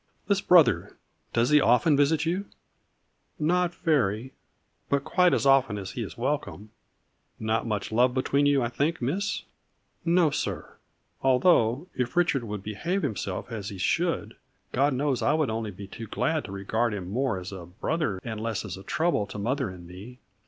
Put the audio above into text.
" This brother, does he often visit you ?"" Not very, but quite as often as he is wel come." " Not much love between you, I think, Miss ?"" No, sir; although, if Richard would behave himself as he should, God knows I would only be too glad to regard him more as a brother and less as a trouble to mother and me.